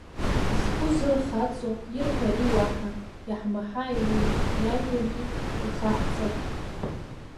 Згәы зырхаҵо ирҳәари уаҳа, иаҳмаҳаи уи, иажәами, ихаҳҵап.